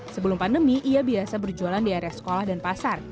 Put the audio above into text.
sebelum pandemi ia biasa berjualan di area sekolah dan pasar